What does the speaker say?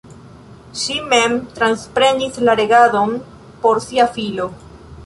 Ŝi mem transprenis la regadon por sia filo.